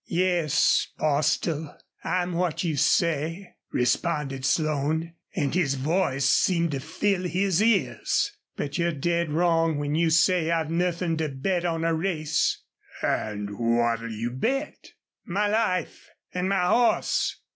"Yes, Bostil, I'm what you say," responded Slone, and his voice seemed to fill his ears. "But you're dead wrong when you say I've nothin' to bet on a race." "An' what'll you bet?" "My life an' my horse!"